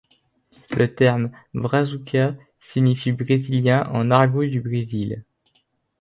Le terme Brazuca signifie brésilien en argot du Brésil.